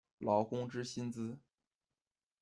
劳工之薪资